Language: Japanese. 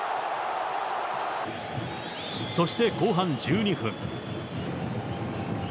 そして後半１２分。